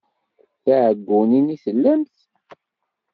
D tiɛeggunin i tellamt?